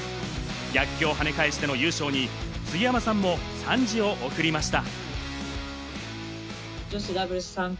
逆境を跳ね返しての優勝に杉山さんも賛辞を送りました。